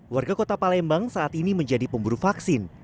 warga kota palembang saat ini menjadi pemburu vaksin